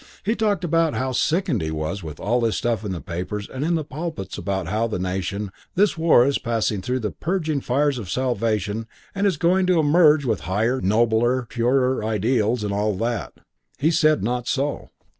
He talked about how sickened he was with all this stuff in the papers and in the pulpits about how the nation, in this war, is passing through the purging fires of salvation and is going to emerge with higher, nobler, purer ideals, and all that. He said not so.